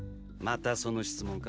またその質問か。